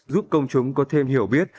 giúp công chúng có thêm hiểu biết